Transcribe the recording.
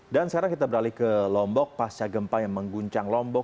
dan sekarang kita beralih ke lombok pasca gempa yang mengguncang lombok